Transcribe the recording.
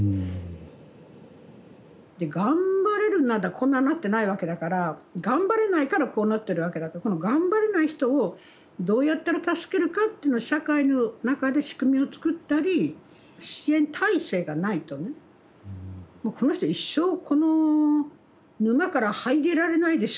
頑張れるならこんなんなってないわけだから頑張れないからこうなってるわけだからこの頑張れない人をどうやったら助けるかっていうのを社会の中で仕組みを作ったり支援体制がないとねもうこの人一生この沼から這い出られないでしょうみたいな。